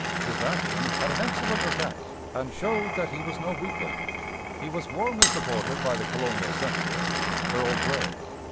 His action had an excellent effect and showed that he was no weakling. He was warmly supported by the colonial secretary, Earl Grey.